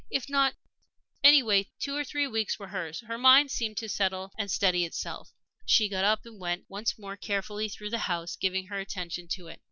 If not Anyway, two or three weeks were hers. Her mind seemed to settle and steady itself. She got up and went once more carefully through the house, giving her attention to it.